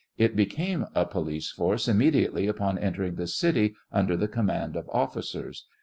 It became a police force immediately upon enter ing the city under the command of officers.